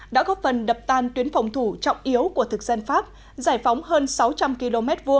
đã góp phần đập tan tuyến phòng thủ trọng yếu của thực dân pháp giải phóng hơn sáu trăm linh km hai